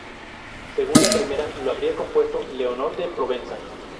Según la primera, lo habría compuesto Leonor de Provenza.